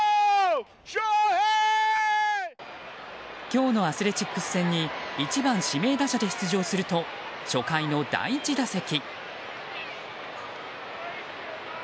今日のアスレチックス戦に１番、指名打者で出場すると初回の第１打席。